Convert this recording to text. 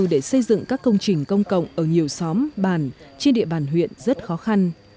để xây dựng các công trình công cộng ở nhiều xóm bàn trên địa bàn huyện rất khó khăn